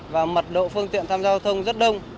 và mật độ phương tiện tham gia giao thông rất đông